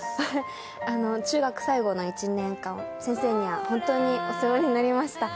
中学最後の１年間、先生には本当にお世話になりました。